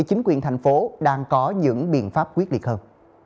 chính quyền thành phố đang có những biện pháp quyết liệt hơn